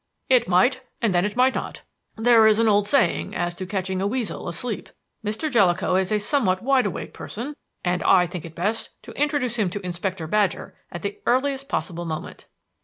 "It might; and then it might not. There is an old saying as to catching a weasel asleep. Mr. Jellicoe is a somewhat wide awake person, and I think it best to introduce him to Inspector Badger at the earliest possible moment."